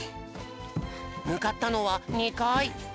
むかったのは２かい。